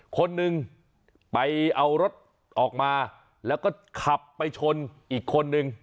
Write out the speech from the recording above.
คนหนึ่งไปเอารถออกมาแล้วก็ขับไปชนอีกคนนึง